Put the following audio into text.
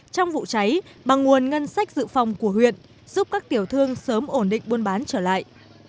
trong vụ cháy bằng nguồn ngân sách dự phòng của huyện giúp các tiểu thương sớm ổn định buôn bán trở lại